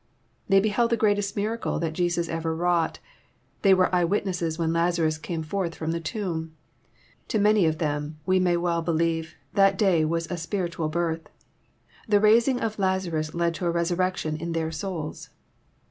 They beheld the greatest miracle that Jesus ever wrought. They were eye witnesses when Lazarus came forth from the tomb. To many of them, we may well be lieve, that day was a spiritual birth. The raising of Laza rus led to a resurrection in their souls.